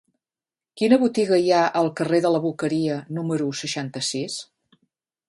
Quina botiga hi ha al carrer de la Boqueria número seixanta-sis?